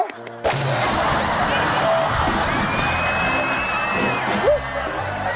โอ้โฮ